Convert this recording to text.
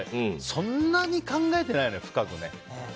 そんなに考えてないよね、深く。